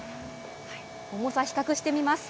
重さ比較してみます。